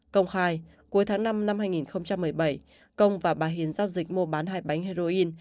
công khai cuối tháng năm năm hai nghìn một mươi bảy công và bà hiền giao dịch mua bán hai bánh heroin